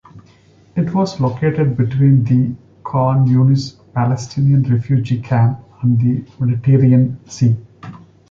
It was located between the Khan Yunis Palestinian refugee camp and the Mediterranean Sea.